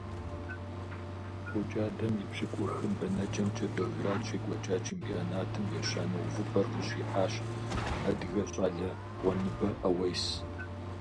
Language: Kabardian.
ФокӀадэм и пщӀыкӀухым бэнэкӀэмкӀэ Белград щекӀуэкӀа чемпионатым ещанэ увыпӀэр къыщихьащ адыгэ щӀалэ Гъуэныбэ Ӏэуес.